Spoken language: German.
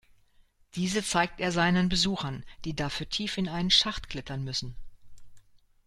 Diese zeigt er seinen Besuchern, die dafür tief in einen Schacht klettern müssen.